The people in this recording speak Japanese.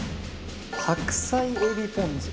白菜エビぽん酢。